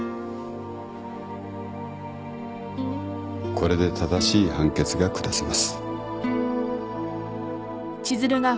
これで正しい判決が下せます。